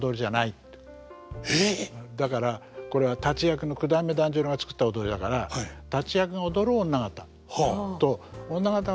だからこれは立役の九代目團十郎が作った踊りだから立役が踊る女方と女方が踊る女方は違うわけですよね。